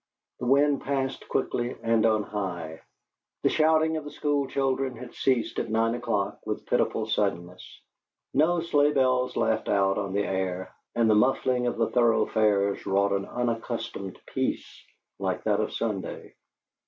The wind passed quickly and on high; the shouting of the school children had ceased at nine o'clock with pitiful suddenness; no sleigh bells laughed out on the air; and the muffling of the thoroughfares wrought an unaccustomed peace like that of Sunday.